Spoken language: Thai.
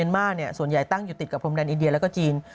มาส่วนใหญ่ตั้งอยู่ติดกับพรมแดนอินเดียแล้วก็จีน